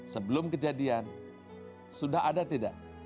sebelum kejadian sudah ada tidak